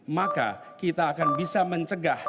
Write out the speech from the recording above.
maka kita akan bisa mengembangkan narkoba